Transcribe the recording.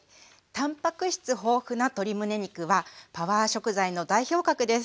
たんぱく質豊富な鶏むね肉はパワー食材の代表格です。